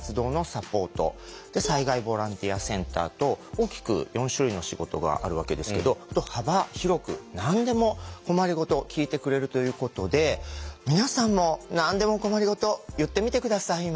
大きく４種類の仕事があるわけですけど幅広く何でも困りごとを聞いてくれるということで皆さんも何でも困りごと言ってみて下さい今。